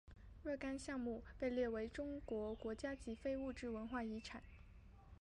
若干项目被列入中国国家级非物质文化遗产。